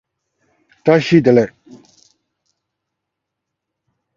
All trains in Seoul have both English and Korean announcements regarding each train stop.